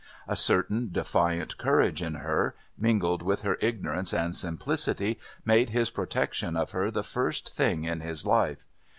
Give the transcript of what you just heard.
A certain defiant courage in her, mingled with her ignorance and simplicity, made his protection of her the first thing in his life.